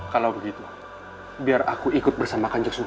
kalau begitu biar aku ikut bersama kanjang sunan